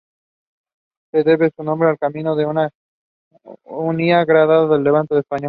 Le debe su nombre al camino que unía Granada con el Levante español.